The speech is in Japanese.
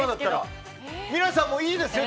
皆さんもいいですね